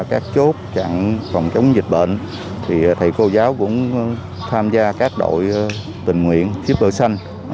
các chốt chặn phòng chống dịch bệnh thì thầy cô giáo cũng tham gia các đội tình nguyện chiếp đội